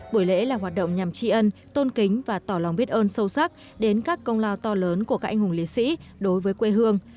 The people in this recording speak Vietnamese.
buổi lễ là hoạt động nhằm tri ân tôn kính và tỏ lòng biết ơn sâu sắc đến các công lao to lớn của các anh hùng liệt sĩ đối với quê hương